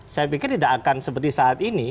saya pikir tidak akan seperti saat ini